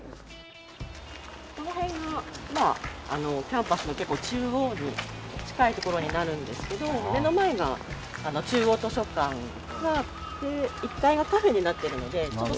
この辺がまあキャンパスの結構中央に近い所になるんですけど目の前が中央図書館があって１階がカフェになってるのでちょっとそこで。